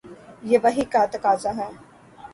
یہ وحی کا تقاضا ہے۔